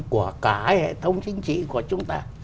của cả hệ thống chính trị của chúng ta